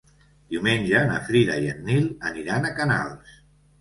Diumenge na Frida i en Nil aniran a Canals.